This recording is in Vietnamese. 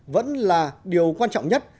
vẫn là điều quan trọng nhất